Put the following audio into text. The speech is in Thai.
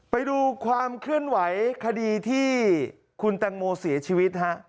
ไปดูความเคลื่อนไหวคดีที่คุณแตงโมเสียชีวิตฮะ